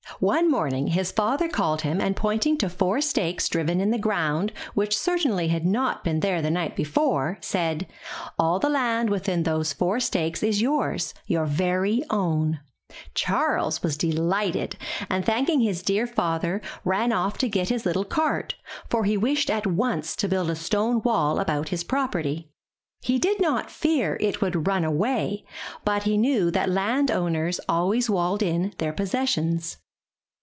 One morning his father called him and pointing to four stakes driven in the ground which certainly had not been there the night before, said: '*A11 the land within those four stakes is yours, your very own/' Charles was delighted, and thanking his dear father, ran off to get his little cart, for he wished at once to build a stone wall about his property. He did not fear it would run away, but he knew that land owners always walled in their possessions.